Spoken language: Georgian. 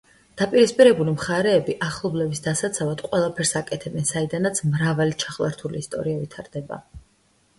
დაპირისპირებული მხარეები ახლობლების დასაცავად ყველაფერს აკეთებენ, საიდანაც მრავალი ჩახლართული ისტორია ვითარდება.